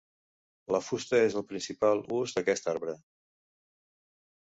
La fusta és el principal ús d'aquest arbre.